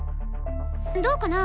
どうかな？